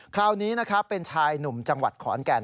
คราวนี้นะครับเป็นชายหนุ่มจังหวัดขอนแก่น